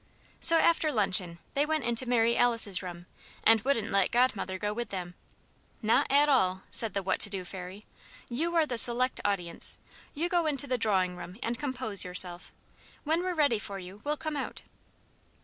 So after luncheon they went into Mary Alice's room and wouldn't let Godmother go with them. "Not at all!" said the "what to do fairy," "you are the select audience. You go into the drawing room and 'compose yourself.' When we're ready for you, we'll come out."